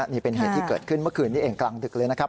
นี่เป็นเหตุที่เกิดขึ้นเมื่อคืนนี้เองกลางดึกเลยนะครับ